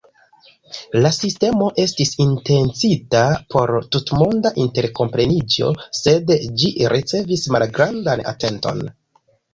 La sistemo estis intencita por tutmonda interkompreniĝo, sed ĝi ricevis malgrandan atenton.